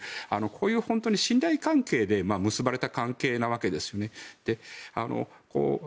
こういう信頼関係で結ばれた関係なわけですよね。